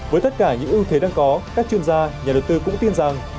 với tất cả những ưu thế đang có các chuyên gia nhà đầu tư cũng tin rằng